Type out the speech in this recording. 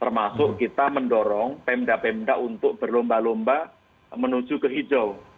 termasuk kita mendorong pemda pemda untuk berlomba lomba menuju ke hijau